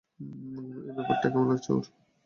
এই ব্যাপারটা কেমন লাগছে ওর?